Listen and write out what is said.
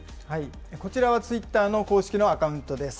こちらはツイッターの公式のアカウントです。